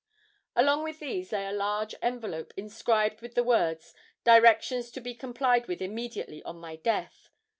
Along with these lay a large envelope, inscribed with the words 'Directions to be complied with immediately on my death.'